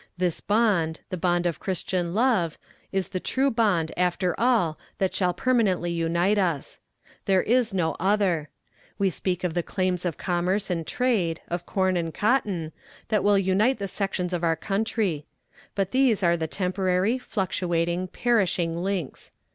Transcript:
This bond, the bond of christian love, is the true bond after all that shall permanently unite us. There is no other. We speak of the claims of commerce and trade, of corn and cotton, that will unite the sections of our country; but these are temporary, fluctuating, perishing links.